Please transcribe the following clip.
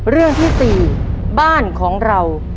เรื่องที่๔บ้านของเรา